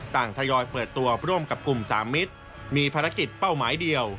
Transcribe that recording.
ทยอยเปิดตัวร่วมกับกลุ่มสามมิตรมีภารกิจเป้าหมายเดียว